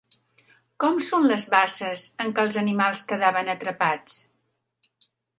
Com són les basses en què els animals quedaven atrapats?